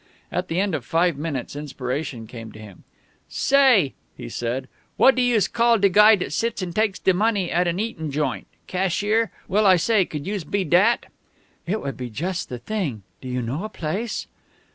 At the end of five minutes inspiration came to him. "Say," he said, "what do youse call de guy dat sits an' takes de money at an eatin' joint? Cashier? Well, say, could youse be dat?" "It would be just the thing. Do you know a place?"